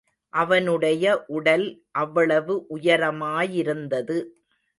அவனுடைய உடல் அவ்வளவு உயரமாயிருந்தது!